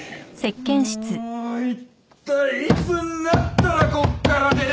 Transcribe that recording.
もう一体いつになったらここから出られるんですか？